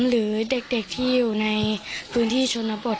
หรือเด็กที่อยู่ในพื้นที่ชนบท